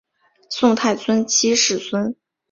宋太宗七世孙。